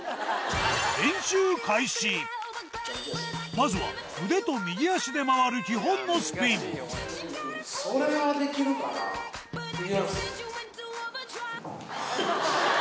まずは腕と右足で回る基本のスピンいきます。